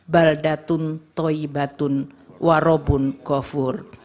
baldatun toibatun warobun gofur